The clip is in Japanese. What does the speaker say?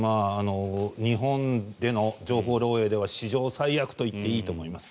日本での情報漏えいでは史上最悪と言っていいと思います。